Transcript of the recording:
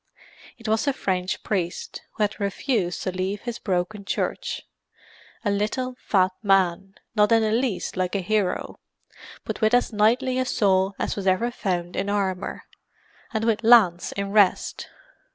It was the French priest, who had refused to leave his broken church: a little, fat man, not in the least like a hero, but with as knightly a soul as was ever found in armour and with lance in rest.